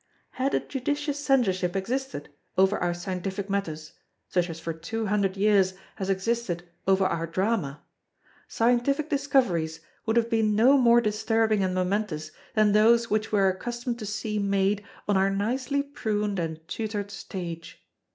Had a judicious Censorship existed over our scientific matters, such as for two hundred years has existed over our Drama, scientific discoveries would have been no more disturbing and momentous than those which we are accustomed to see made on our nicely pruned and tutored stage.